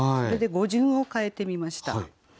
それで語順を変えてみました。